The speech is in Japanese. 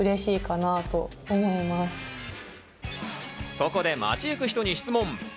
ここで街ゆく人に質問。